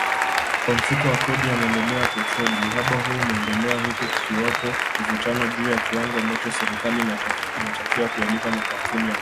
Kwa Mfuko wa Kodi ya Maendeleo ya Petroli, uhaba huo umeendelea huku kukiwepo mivutano juu ya kiwango ambacho serikali inatakiwa kuyalipa makampuni ya mafuta